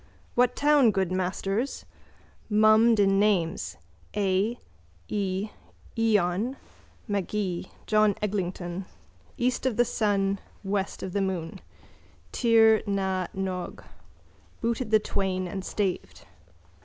What town, good masters? Mummed in names: A. E., eon: Magee, John Eglinton. East of the sun, west of the moon: Tir na n og. Booted the twain and staved.